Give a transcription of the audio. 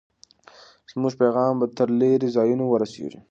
زموږ پیغام به تر لرې ځایونو ورسېږي.